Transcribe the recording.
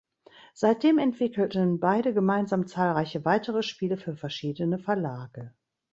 Seitdem entwickelten beide gemeinsam zahlreiche weitere Spiele für verschiedene Verlage.